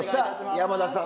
山田さん